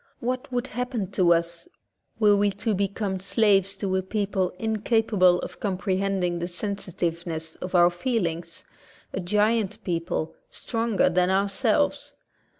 What would happen to us were we to become slaves to a people incapable of comprehending the sensitiveness of our feelings — a giant people, stronger than ourselves?